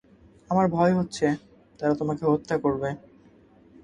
আমার ভয় হচ্ছে, তারা তোমাকে হত্যা করবে।